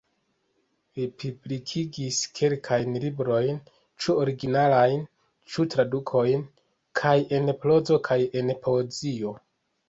Li publikigis kelkajn librojn, ĉu originalajn ĉu tradukojn, kaj en prozo kaj en poezio.